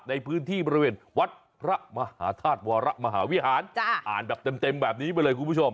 ในพื้นที่บริเวณวัดพระมหาธาตุวรมหาวิหารอ่านแบบเต็มแบบนี้ไปเลยคุณผู้ชม